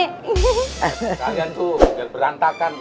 kalian tuh berantakan